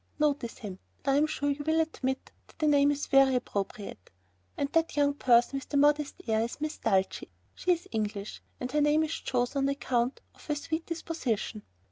Notice him and I am sure you will admit that the name is very appropriate. And that young person with, the modest air is Miss Dulcie. She is English, and her name is chosen on account of her sweet disposition.